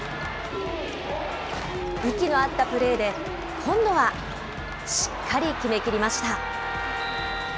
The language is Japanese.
息の合ったプレーで、今度はしっかり決めきりました。